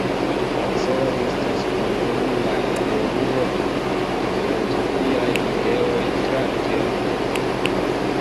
La celo estas kompreni la evoluon de filozofiaj ideoj tra tempo.